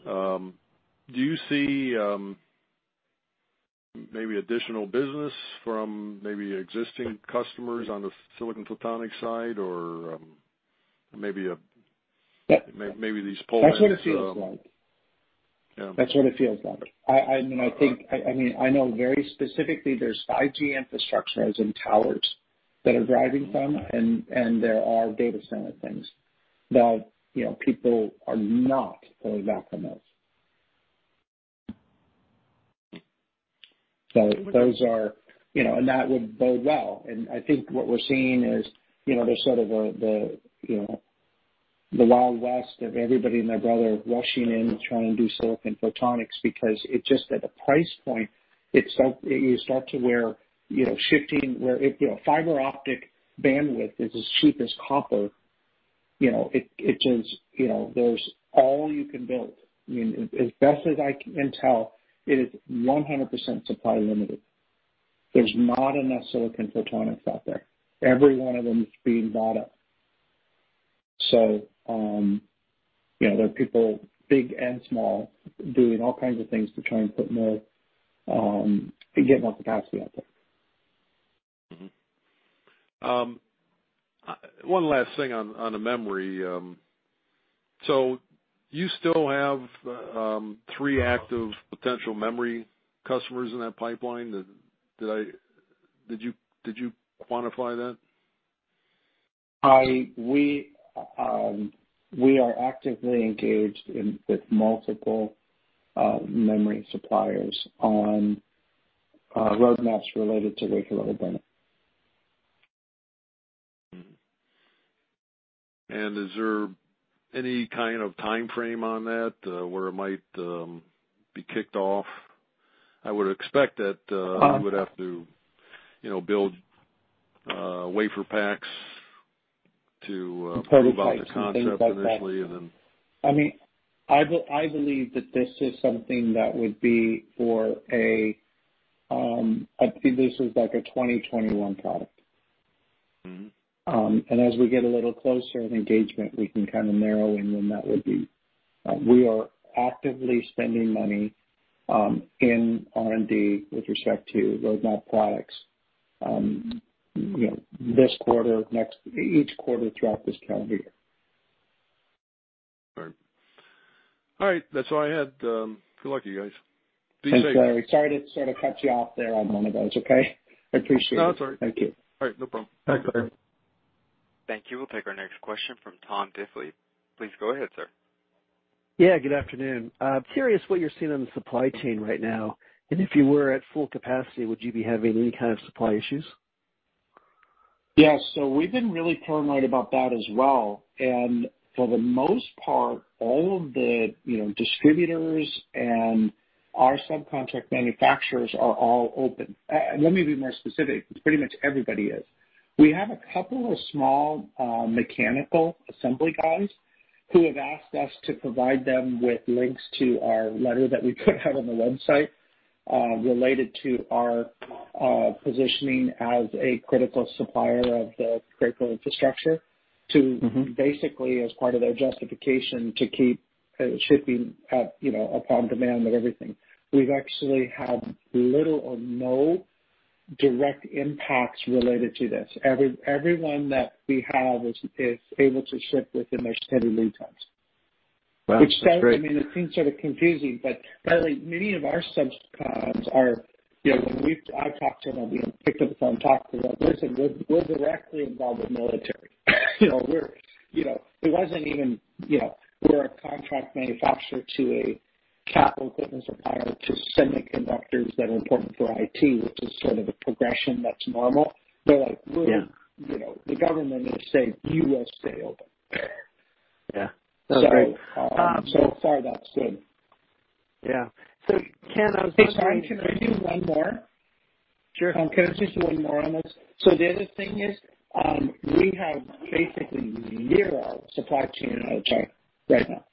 Do you see maybe additional business from maybe existing customers on the silicon photonics side or maybe these pull-ins? That's what it feels like. I know very specifically there's 5G infrastructure, as in towers, that are driving some, and there are data center things that people are not fully back from those. That would bode well. I think what we're seeing is there's sort of the Wild West of everybody and their brother rushing in to try and do silicon photonics because it's just at a price point. You start to where shifting where fiber optic bandwidth is as cheap as copper. There's all you can build. As best as I can tell, it is 100% supply limited. There's not enough silicon photonics out there. Every one of them is being bought up. There are people, big and small, doing all kinds of things to try and put more, to get more capacity out there. One last thing on the memory. You still have three active potential memory customers in that pipeline? Did you quantify that? We are actively engaged with multiple memory suppliers on roadmaps related to regular OBM. Mm-hmm. Is there any kind of timeframe on that, where it might be kicked off? you would have to build WaferPaks. Prototypes and things like that. prove out the concept initially. I'd say this is like a 2021 product. As we get a little closer in engagement, we can kind of narrow in when that would be. We are actively spending money in R&D with respect to roadmap products this quarter, each quarter throughout this calendar year. All right. That's all I had. Good luck to you guys. Be safe. Sorry to sort of cut you off there on one of those, okay? I appreciate it. No, that's all right. Thank you. All right. No problem. Thanks. Thank you. We'll take our next question from Tom Diffely. Please go ahead, sir. Yeah, good afternoon. Curious what you're seeing on the supply chain right now. If you were at full capacity, would you be having any kind of supply issues? Yeah. We've been really paranoid about that as well. For the most part, all of the distributors and our subcontract manufacturers are all open. Let me be more specific. Pretty much everybody is. We have a couple of small mechanical assembly guys who have asked us to provide them with links to our letter that we put out on the website related to our positioning as a critical supplier of the critical infrastructure to. basically as part of their justification to keep shipping upon demand of everything. We've actually had little or no direct impacts related to this. Everyone that we have is able to ship within their standard lead times. Wow, that's great. I mean, it seems sort of confusing, but by the way, many of our sub-comms are, when I've talked to them, you know, picked up the phone, talked to them. They said, "We're directly involved with military." It wasn't even we're a contract manufacturer to a capital equipment supplier to semiconductors that are important for IT, which is sort of a progression that's normal. Yeah The government is saying you will stay open. Yeah. That's great. Far, that's good. Yeah. Ken, Sorry, can I do one more? Sure. Can I just do one more on this? The other thing is, we have basically zero supply chain in China right now.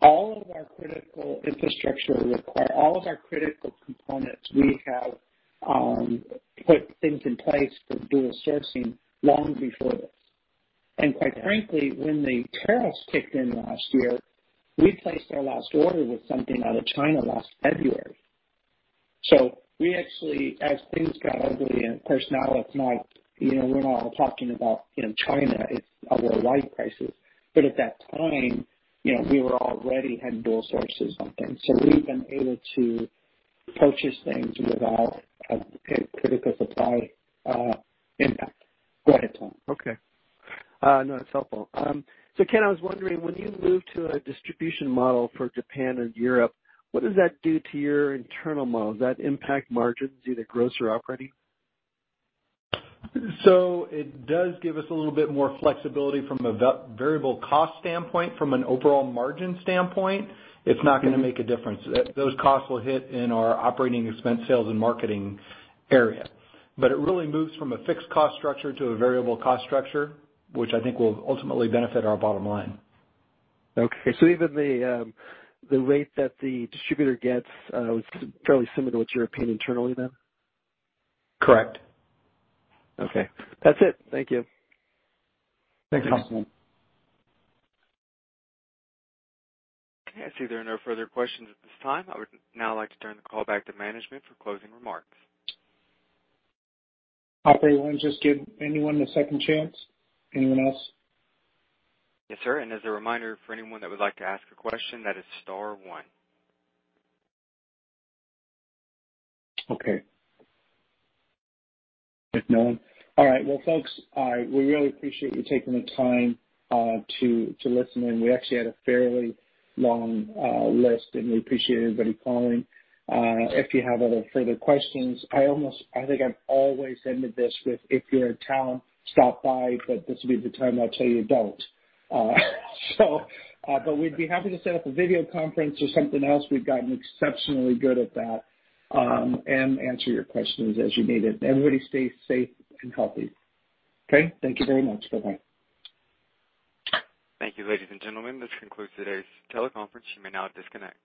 All of our critical infrastructure require all of our critical components. We have put things in place for dual sourcing long before this. Quite frankly, when the tariffs kicked in last year, we placed our last order with something out of China last February. We actually, as things got ugly, and of course, now it's not, we're not all talking about China. It's a worldwide crisis. At that time, we were already had dual sources on things. We've been able to purchase things without a critical supply impact. Go ahead, Tom. Okay. No, that's helpful. Ken, I was wondering, when you move to a distribution model for Japan and Europe, what does that do to your internal model? Does that impact margins, either gross or operating? It does give us a little bit more flexibility from a variable cost standpoint. From an overall margin standpoint, it's not going to make a difference. Those costs will hit in our operating expense, sales, and marketing area. It really moves from a fixed cost structure to a variable cost structure, which I think will ultimately benefit our bottom line. Even the rate that the distributor gets is fairly similar to what you're paying internally then? Correct. Okay. That's it. Thank you. Thanks. You're welcome. Okay, I see there are no further questions at this time. I would now like to turn the call back to management for closing remarks. Operator, why don't you just give anyone a second chance? Anyone else? Yes, sir. As a reminder for anyone that would like to ask a question, that is star one. Okay. All right. Well, folks, we really appreciate you taking the time to listen in. We actually had a fairly long list, and we appreciate everybody calling. If you have other further questions, I think I've always ended this with, if you're in town, stop by, but this will be the time I tell you don't. We'd be happy to set up a video conference or something else, we've gotten exceptionally good at that, and answer your questions as you need it. Everybody stay safe and healthy. Okay? Thank you very much. Bye-bye. Thank you, ladies and gentlemen. This concludes today's teleconference. You may now disconnect.